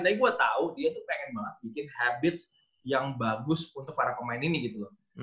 tapi gue tau dia tuh pengen banget bikin habits yang bagus untuk para pemain ini gitu loh